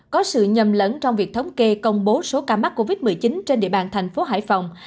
có sự nhầm lẫn trong việc thống kê công bố số ca mắc covid một mươi chín trên địa bàn thành phố hải phòng